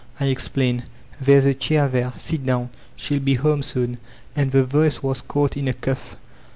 I explained. — ^''There's a chair there; sit down. Shell be home soon. And the voice was caught in a cough.